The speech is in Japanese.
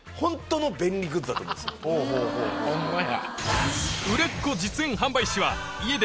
ホンマや。